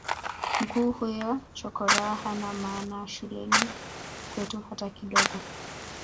mkuu huyu chokoraa hana maana shuleni kwetu hata kidogo